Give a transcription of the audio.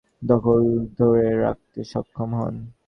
তিনি শহর ও আশপাশের অঞ্চলের দখল ধরে রাখতে সক্ষম হন।